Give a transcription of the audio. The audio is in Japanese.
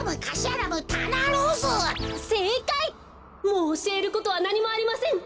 もうおしえることはなにもありません。